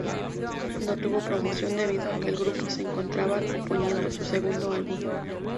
No tuvo promoción debido a que el grupo se encontraba componiendo su segundo álbum.